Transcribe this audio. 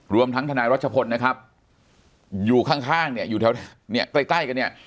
รวมทั้งทนายรัชพลนะครับอยู่ข้างเนี่ย